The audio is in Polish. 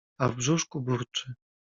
A w brzuszku burczy!